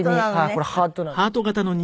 これハートなんですよ。